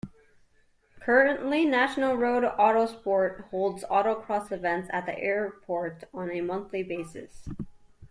Currently National Road Autosport holds Autocross events at the airport on a monthly basis.